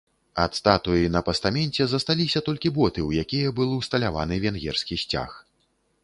Ад статуі на пастаменце засталіся толькі боты, у якія быў усталяваны венгерскі сцяг.